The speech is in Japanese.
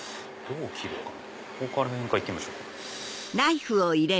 ここら辺から行ってみましょうか。